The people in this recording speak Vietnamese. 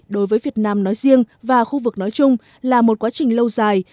đối với việt nam nói riêng và khu vực nói chung là một quá trình lâu dài